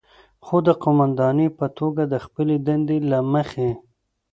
خو د قوماندانې په توګه د خپلې دندې له مخې،